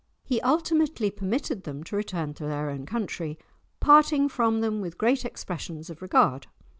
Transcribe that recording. He ultimately permitted them to return to their own country, parting from them with great expressions of regard.